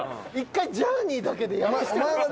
１回ジャーニーだけでやらせて。